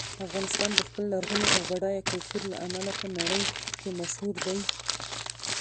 افغانستان د خپل لرغوني او بډایه کلتور له امله په نړۍ کې مشهور دی.